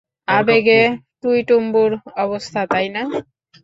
আবেগে টইটুম্বর অবস্থা, তাই না?